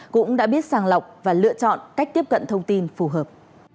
cũng đã biết sàng lọc và lựa chọn cách tiếp cận thông tin phù hợp